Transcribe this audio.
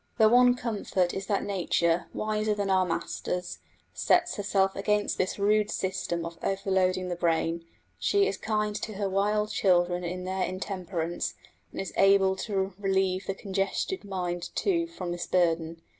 The one comfort is that nature, wiser than our masters, sets herself against this rude system of overloading the brain. She is kind to her wild children in their intemperance, and is able to relieve the congested mind, too, from this burden.